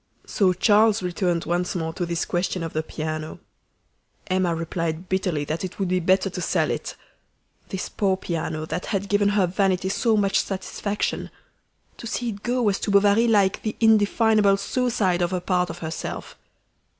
So Charles returned once more to this question of the piano. Emma replied bitterly that it would be better to sell it. This poor piano, that had given her vanity so much satisfaction to see it go was to Bovary like the indefinable suicide of a part of herself.